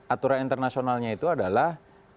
aturan internasionalnya itu adalah